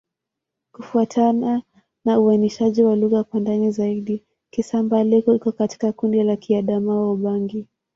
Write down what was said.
Kufuatana na uainishaji wa lugha kwa ndani zaidi, Kisamba-Leko iko katika kundi la Kiadamawa-Ubangi.